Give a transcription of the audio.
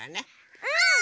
うん。